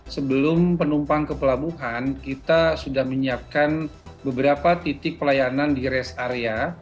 sebelum penumpang ke pelabuhan kita sudah menyiapkan beberapa titik pelayanan di rest area